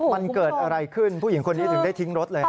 มันเกิดอะไรขึ้นผู้หญิงคนนี้ถึงได้ทิ้งรถเลย